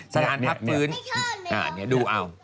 สดานนายดูเอ้า